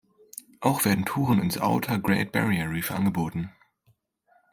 Auch werden Touren ins Outer Great Barrier Reef angeboten.